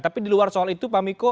tapi di luar soal itu pak miko